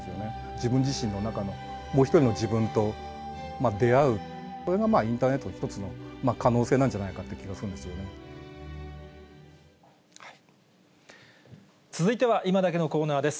自分自身の中のもう一人の自分と出会う、それがインターネットの一つの可能性なんじゃないかっていう気が続いては、いまダケッのコーナーです。